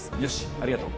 ありがとう。